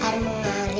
kemumundi kalau mau